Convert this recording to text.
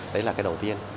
đấy là cái đầu tiên